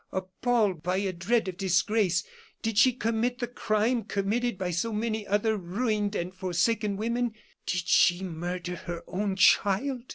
Appalled by a dread of disgrace, did she commit the crime committed by so many other ruined and forsaken women? Did she murder her own child?"